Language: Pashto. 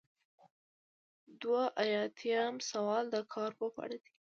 دوه ایاتیام سوال د کارپوه په اړه دی.